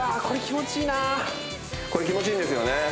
これこれ気持ちいいんですよね